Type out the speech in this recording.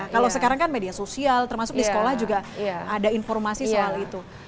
kalau sekarang kan media sosial termasuk di sekolah juga ada informasi soal itu